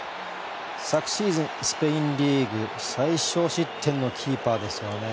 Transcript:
昨シーズンスペインリーグ最少失点のキーパーですからね。